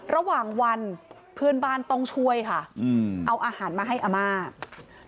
ระหว่างวันเพื่อนบ้านต้องช่วยค่ะเอาอาหารมาให้อาม่า